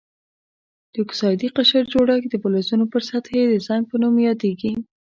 د اکسایدي قشر جوړښت د فلزونو پر سطحې د زنګ په نوم یادیږي.